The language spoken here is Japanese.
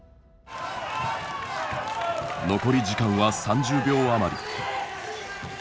残り時間は３０秒余り。